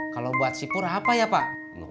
kalau buat sipur apa ya pak